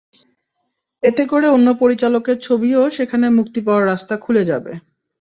এতে করে অন্য পরিচালকের ছবিও সেখানে মুক্তি পাওয়ার রাস্তা খুলে যাবে।